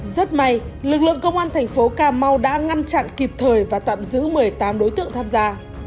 rất may lực lượng công an thành phố cà mau đã ngăn chặn kịp thời và tạm giữ một mươi tám đối tượng tham gia